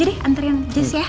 ya udah deh anterin jess ya